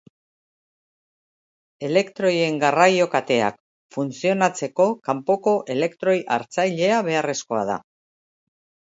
Elektroien garraio kateak funtzionatzeko kanpoko elektroi-hartzailea beharrezkoa da.